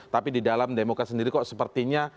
tapi di dalam demokrat sendiri kok sepertinya